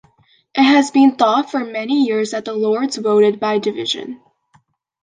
It had been thought, for many years, that the Lords voted by division.